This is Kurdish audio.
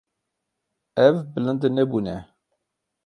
Ew bilind nebûne.